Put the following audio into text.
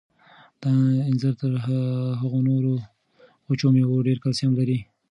دا انځر تر هغو نورو وچو مېوو ډېر کلسیم لري.